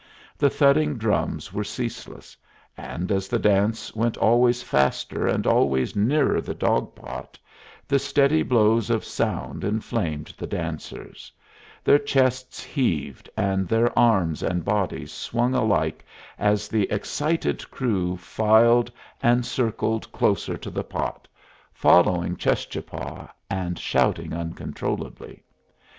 The thudding drums were ceaseless; and as the dance went always faster and always nearer the dog pot, the steady blows of sound inflamed the dancers; their chests heaved, and their arms and bodies swung alike as the excited crew filed and circled closer to the pot, following Cheschapah, and shouting uncontrollably.